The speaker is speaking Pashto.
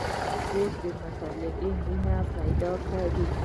کورس د مطالعې مینه پیدا کوي.